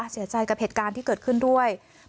เสียใจกับเหตุการณ์ที่เกิดขึ้นด้วย